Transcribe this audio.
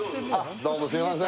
どうもすいません